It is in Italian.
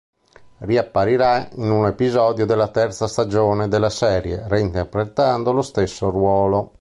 Riapparirà in un episodio della terza stagione della serie, reinterpretando lo stesso ruolo.